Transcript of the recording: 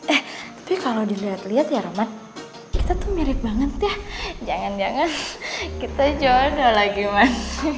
eh tapi kalau dilihat lihat ya roman kita tuh mirip banget ya jangan jangan kita jodoh lagi mas